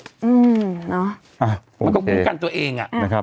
เพราะมันก็กุ้มกันตัวเอง